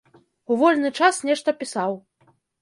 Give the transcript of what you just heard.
У вольны час нешта пісаў.